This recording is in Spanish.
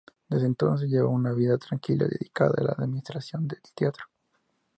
Desde entonces llevó una vida tranquila y dedicada a la administración del teatro.